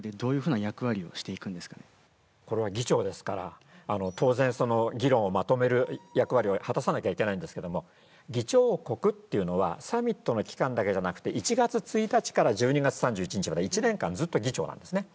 これは議長ですから当然その議論をまとめる役割を果たさなきゃいけないんですけども議長国っていうのはサミットの期間だけじゃなくて１月１日から１２月３１日まで１年間ずっと議長なんですね。